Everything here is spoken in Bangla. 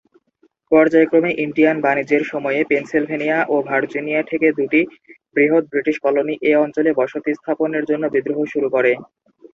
পর্যায়ক্রমে ইন্ডিয়ান বাণিজ্যের সময়ে পেনসিলভেনিয়া ও ভার্জিনিয়া থেকে দু'টি বৃহৎ বৃটিশ কলোনি এ অঞ্চলে বসতি স্থাপনের জন্য বিদ্রোহ শুরু করে।